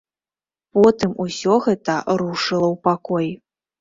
Потым усё гэта рушыла ў пакой.